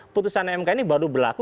putusan mk ini baru berlaku